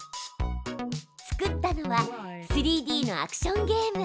作ったのは３Ｄのアクションゲーム。